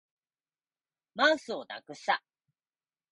マウスをなくした